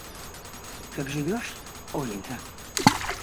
Как живешь, Оленька?